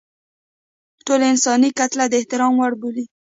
ټوله انساني کتله د احترام وړ بولي.